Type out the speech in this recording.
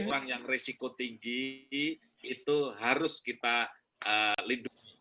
orang yang risiko tinggi itu harus kita lindungi